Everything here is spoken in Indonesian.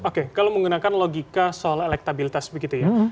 oke kalau menggunakan logika soal elektabilitas begitu ya